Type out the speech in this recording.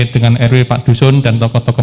dengan rw pak dusun dan tokoh tokoh